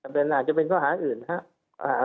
ต้องเข้าหาอาจจะเป็นเข้าหาอื่นครับ